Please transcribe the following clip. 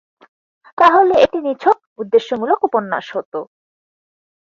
তা হলে এটি নিছক উদ্দেশ্যমূলক উপন্যাস হত।